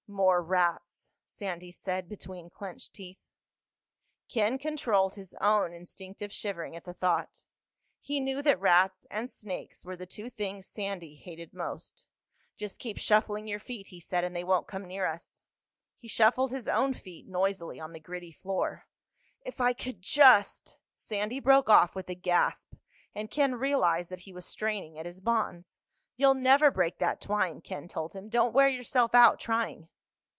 "More rats," Sandy said between clenched teeth. Ken controlled his own instinctive shivering at the thought. He knew that rats and snakes were the two things Sandy hated most. "Just keep shuffling your feet," he said, "and they won't come near us." He shuffled his own feet noisily on the gritty floor. "If I could just—!" Sandy broke off with a gasp and Ken realized that he was straining at his bonds. "You'll never break that twine," Ken told him. "Don't wear yourself out trying."